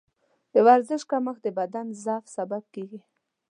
د ورزش کمښت د بدن ضعف سبب کېږي.